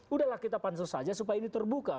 udahlah kita pansus saja supaya ini terbuka